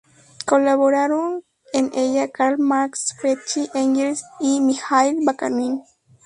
Colaboraron en ella Karl Marx, Friedrich Engels y Mijaíl Bakunin.